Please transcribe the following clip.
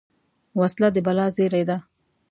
وسله د بلا زېری ده